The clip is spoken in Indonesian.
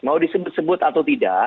mau disebut sebut atau tidak